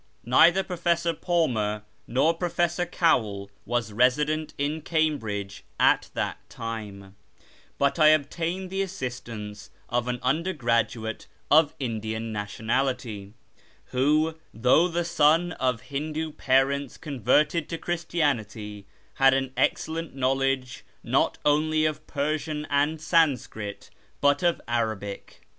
Neither Professor Palmer nor Professor Cowell was resident in Cambridge at that time ; but I obtained the assistance of an undergraduate of Indian nationality, who, tliough the son of Hindoo parents converted to Christianity, had an excellent knowledge not only of Persian and Sanskrit, but of Arabic.